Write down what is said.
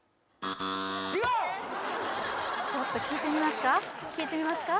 違うちょっと聴いてみますか？